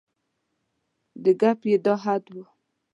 د ګپ یې دا حد و.